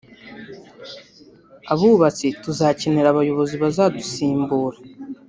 abubatsi tuzakenera abayobozi bazadusimbura